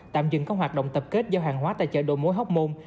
tạm dừng các hoạt động tập kết giao hàng hóa tại chợ đồ mối hóc môn